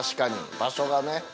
場所がね。